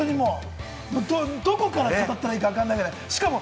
どこから語ったらいいかわかんないくらい。